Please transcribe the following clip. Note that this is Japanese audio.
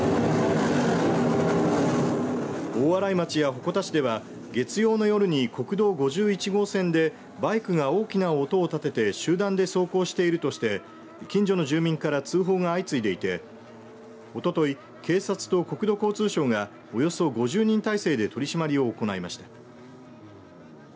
大洗町や鉾田市では月曜の夜に国道５１号線でバイクが大きな音を立てて集団で走行しているとして近所の住民から通報が相次いでいておととい、警察と国土交通省がおよそ５０人態勢で取り締まりを行いました。